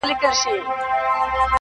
چي یې ته اوربل کي کښېږدې بیا تازه سي,